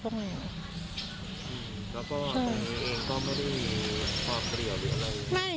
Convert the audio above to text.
ต้องเหมือนเองไม่มีความเผลี่ยวเรื่องอะไร